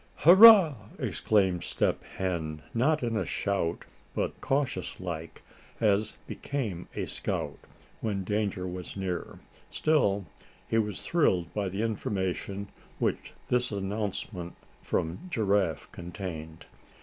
"Hurrah!" exclaimed Step Hen, not in a shout, but cautious like, as became a scout when danger was near; still, he was thrilled by the information which this announcement from Giraffe contained.